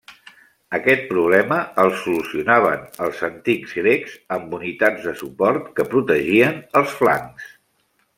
Aquest problema el solucionaven els antics grecs amb unitats de suport que protegien els flancs.